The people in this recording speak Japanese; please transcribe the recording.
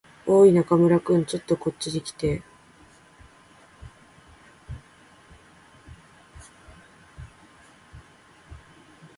おーい、中村君。ちょっとこっちに来て。